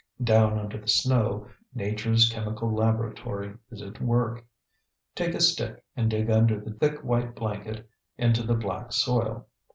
Down under the snow Nature's chemical laboratory is at work. Take a stick and dig under the thick white blanket into the black soil.